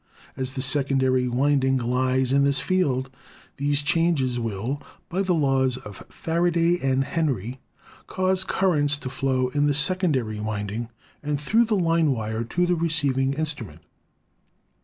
As the secondary winding lies in this field, these changes will, by the laws of Faraday and Henry, cause currents to flow in the secondary winding and through the line wire to the receiving instrument.